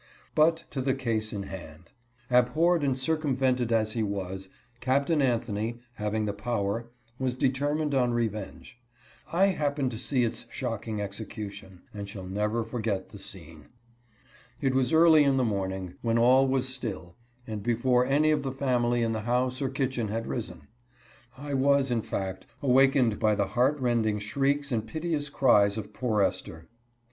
But to the case in hand. Abhorred and circumvented as he was, Captain Anthony, having the power, was de termined on revenge. I happened to see its shocking exe cution, and shall never ferget the scene. It was early in the morning, when all was still, and before any of the family in the house or kitchen had risen. I was, in fact, awakened by the heart rending shrieks and piteous cries of poor Esther.